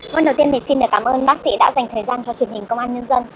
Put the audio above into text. vâng đầu tiên thì xin cảm ơn bác sĩ đã dành thời gian cho truyền hình công an nhân dân